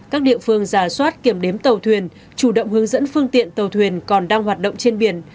các địa phương giả soát kiểm đếm tàu thuyền chủ động hướng dẫn phương tiện tàu thuyền còn đang hoạt động trên biển